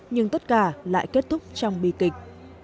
nhưng tất cả lại kết thúc trong bì kịch